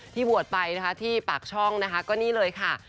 ที่บวชไปที่ปากช่องก็นี่เลยค่ะ